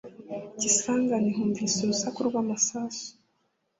i Kisangani humvikanye urusaku rw’amasasu